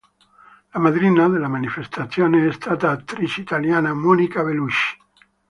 La madrina della manifestazione è stata l'attrice italiana Monica Bellucci.